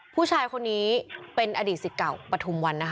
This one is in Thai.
ผู้ชายคนนี้เป็นอดีต๑๙ปฐุมวันนะคะ